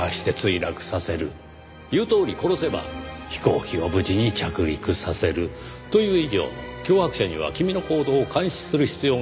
言うとおり殺せば飛行機を無事に着陸させる。という以上脅迫者には君の行動を監視する必要が生じます。